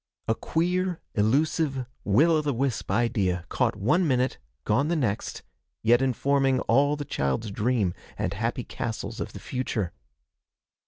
A queer, elusive, will o' the wisp idea, caught one minute, gone the next, yet informing all the child's dreams and happy castles of the future.